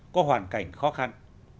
có hoàn cảnh khó khăn